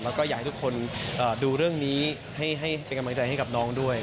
แล้วก็อยากให้ทุกคนดูเรื่องนี้ให้เป็นกำลังใจให้กับน้องด้วย